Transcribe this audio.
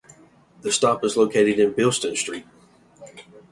The stop is located in Bilston Street.